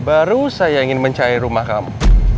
baru saya ingin mencari rumah kamu